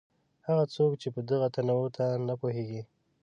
هغه څوک چې په دغه تنوع نه پوهېږي.